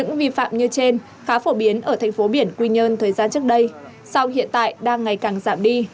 những vi phạm như trên khá phổ biến ở thành phố biển quy nhơn thời gian trước đây sau hiện tại đang ngày càng giảm đi